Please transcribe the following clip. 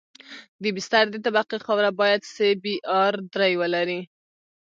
د بستر د طبقې خاوره باید سی بي ار درې ولري